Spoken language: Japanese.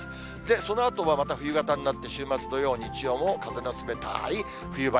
そのあとはまた冬型になって、週末、土曜、日曜も風が冷たい冬晴れ。